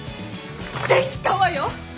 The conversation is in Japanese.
できたわよ！